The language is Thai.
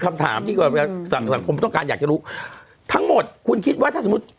คำถามที่สังคมต้องการอยากจะรู้ทั้งหมดคุณคิดว่าถ้าสมมุติ